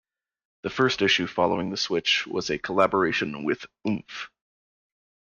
The first issue following the switch was a collaboration with Oomph!